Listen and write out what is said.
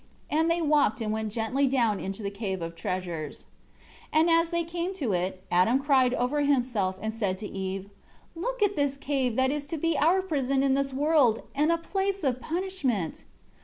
And they walked and went gently down into the Cave of Treasures. 3 And as they came to it, Adam cried over himself and said to Eve, "Look at this cave that is to be our prison in this world, and a place of punishment!